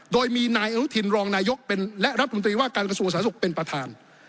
โดยมีนายอนุทินรองนายกและรัฐมนตรีว่าการกระทรวงสาธารสุขเป็นประธาน